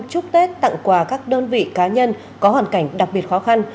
chúc tết tặng quà các đơn vị cá nhân có hoàn cảnh đặc biệt khó khăn